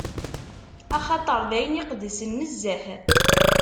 Axaṭer d ayen iqedsen nezzeh.